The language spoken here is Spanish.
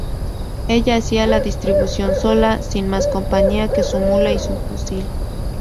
Ella hacía la distribución sola, sin más compañía que su mula y su fusil.